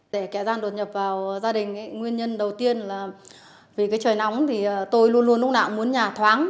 để kẻ gian đột nhập vào gia đình nguyên nhân đầu tiên là vì cái trời nóng thì tôi luôn luôn lúc nào muốn nhà thoáng